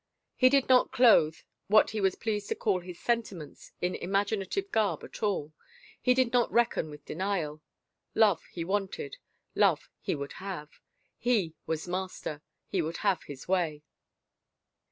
He did not clothe what he was pleased to call his sentiments in imaginative garb at all. He did not reckon with denial. Love he wanted, love he would have. He was master. He would have his way.